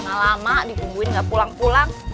malah mak dikumpulin gak pulang pulang